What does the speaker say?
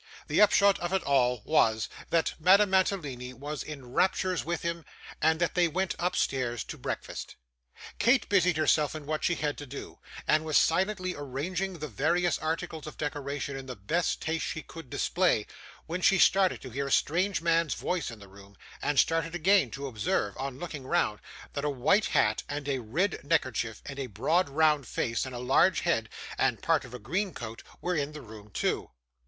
The upshot of it all was, that Madame Mantalini was in raptures with him, and that they went upstairs to breakfast. Kate busied herself in what she had to do, and was silently arranging the various articles of decoration in the best taste she could display, when she started to hear a strange man's voice in the room, and started again, to observe, on looking round, that a white hat, and a red neckerchief, and a broad round face, and a large head, and part of a green coat were in the room too.